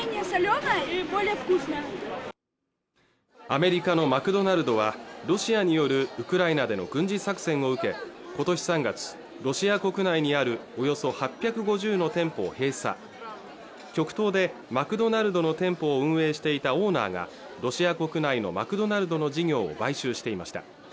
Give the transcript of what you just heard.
アメリカのマクドナルドはロシアによるウクライナでの軍事作戦を受け今年３月ロシア国内にあるおよそ８５０の店舗を閉鎖極東でマクドナルドの店舗を運営していたオーナーがロシア国内のマクドナルドの事業を買収していました